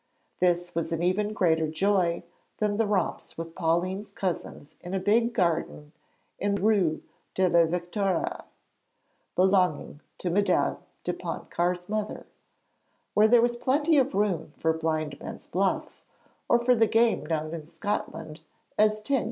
This was even a greater joy than the romps with Pauline's cousins in a big garden in the Rue de la Victoire belonging to Madame de Pontcarré's mother, where there was plenty of room for blindman's buff, or for the game known in Scotland as 'tig.'